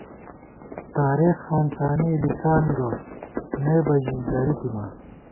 تارېخ ہانسانے لِکان گہ، نئ بہ ژی درِتِماں